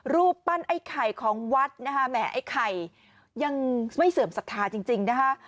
รูปปั้นไอ้ไข่ของวัดนะคะแหมไอ้ไข่ยังไม่เสื่อมศรัทธาจริงนะคะ